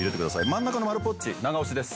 真ん中の丸ぽっち長押しです。